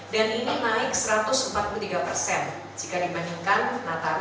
dan ini naik satu ratus empat puluh tiga persen jika dibandingkan nataru tahun lalu